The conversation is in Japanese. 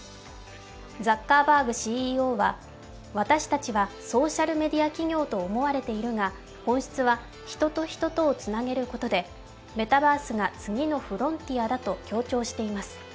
ザッカーバーグＣＥＯは私たちはソーシャルメディア企業と思われているが、本質は人と人とをつなげることでメタバースが次のフロンティアだと強調しています。